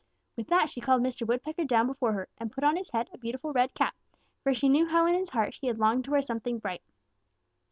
With that she called Mr. Woodpecker down before her and put on his head a beautiful red cap, for she knew how in his heart he had longed to wear something bright.